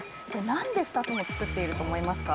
なんで２つも作っていると思いますか。